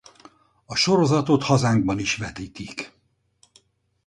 A sorozatot hazánban is vetítik.